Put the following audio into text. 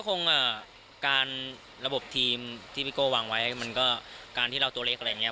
เพราะว่าการระบบทีมที่พิโกะวางไว้มันก็การที่เราตัวเล็กอะไรอย่างเงี้ย